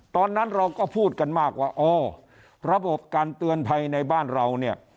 ตอนนั้นเราก็พูดกันมากว่าอ๋อระบบการเตือนภัยในบ้านเราเนี่ย